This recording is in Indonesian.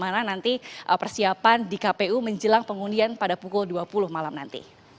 bagaimana nanti persiapan di kpu menjelang pengundian pada pukul dua puluh malam nanti